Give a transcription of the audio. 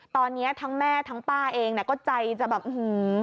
ตอนนี้ทั้งแม่ทั้งป้าเองน่ะก็ใจจะแบบอื้อหือ